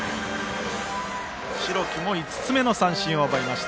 代木も５つ目の三振を奪いました。